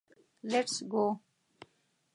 لېټس ګو.